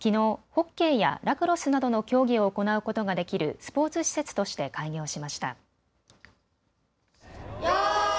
ホッケーやラクロスなどの競技を行うことができるスポーツ施設として開業しました。